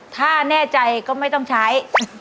ถ้าแน่ใจก็ไม่ต้องใช้